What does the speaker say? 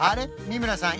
三村さん